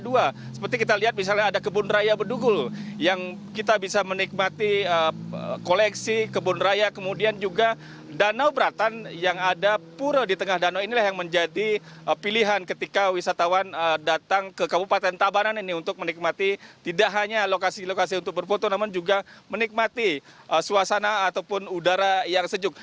dua seperti kita lihat misalnya ada kebun raya bedugul yang kita bisa menikmati koleksi kebun raya kemudian juga danau beratan yang ada pura di tengah danau inilah yang menjadi pilihan ketika wisatawan datang ke kabupaten tabanan ini untuk menikmati tidak hanya lokasi lokasi untuk berfoto namun juga menikmati suasana ataupun udara yang sejuk